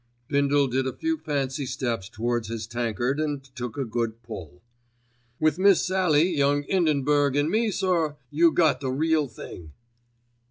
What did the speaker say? Bindle did a few fancy steps towards his tankard and took a good pull. "With Miss Sallie, Young 'Indenburg, an' me, sir, you got the real thing."